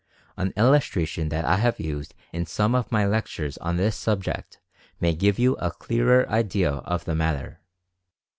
An illustration that I have used in some of my lec tures on this subject may give you a clearer idea of the matter.